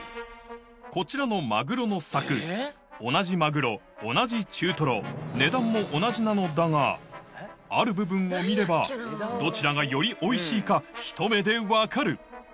こちらのマグロのサク同じマグロ同じ中トロ値段も同じなのだがある部分を見ればどちらがよりおいしいかひと目でわかる‼